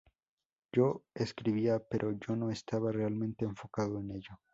Yo escribía, pero yo no estaba realmente enfocado en ello.